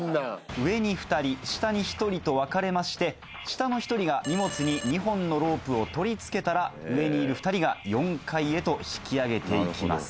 上に２人下に１人と分かれまして下の１人が荷物に２本のロープを取り付けたら上にいる２人が４階へと引き上げて行きます。